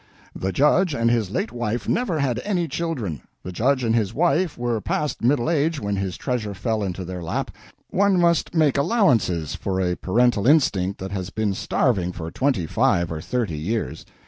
The Judge and his late wife never had any children. The Judge and his wife were past middle age when this treasure fell into their lap. One must make allowances for a parental instinct that has been starving for twenty five or thirty years.